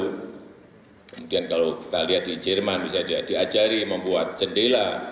kemudian kalau kita lihat di jerman misalnya diajari membuat jendela